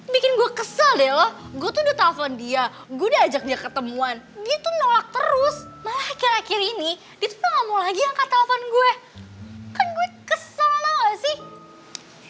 bikin gue kesel deh lo gue tuh udah telepon dia gue udah ajak dia ketemuan dia tuh nolak terus malah akhir akhir ini dia tuh gak mau lagi angkat telepon gue kan gue kesel banget gak sih